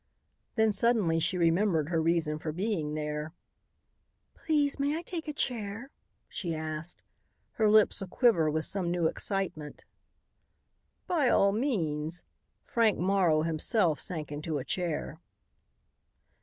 Then suddenly she remembered her reason for being there. "Please may I take a chair?" she asked, her lips aquiver with some new excitement. "By all means." Frank Morrow himself sank into a chair.